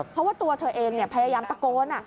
เพราะว่าตัวเธอเองพยายามตะโกน